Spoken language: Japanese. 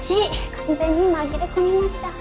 完全に紛れ込みました。